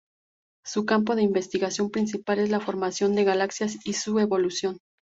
Su campo de investigación principal es la formación de galaxias y su evolución.